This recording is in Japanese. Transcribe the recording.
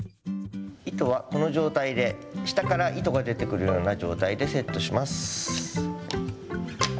糸はこの状態で下から糸が出てくるような状態でセットします。